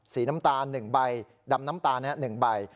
สีน้ำตาล๑ใบดำน้ำตาล๑ใบ